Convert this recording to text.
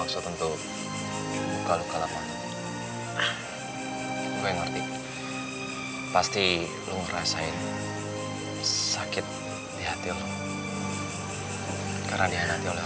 jangan pake ditentang tentang begitu